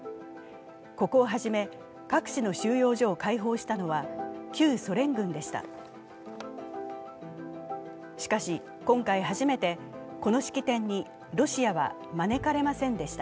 ここをはじめ各地の収容所を解放したのは旧ソ連軍でした。